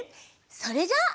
それじゃあ。